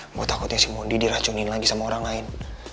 mau takutnya si mondi diracunin lagi sama orang lain